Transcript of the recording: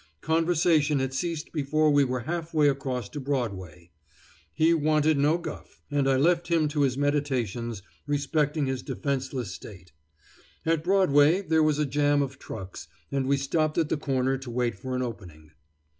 Conversation had ceased before we were half way across to Broadway. He "wanted no guff," and I left him to his meditations respecting his defenseless state. At Broadway there was a jam of trucks, and we stopped at the corner to wait for an opening.